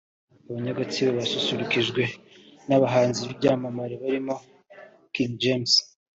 Abanya-Gatsibo basusurukijwe n'abahanzi b'ibyamamare barimo King James